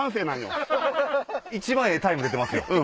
一番ええタイム出てます。